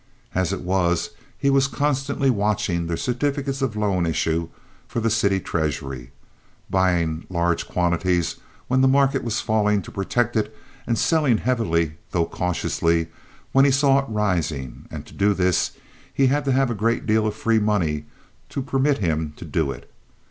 As it was he was constantly watching the certificates of loan issue, for the city treasury,—buying large quantities when the market was falling to protect it and selling heavily, though cautiously, when he saw it rising and to do this he had to have a great deal of free money to permit him to do it.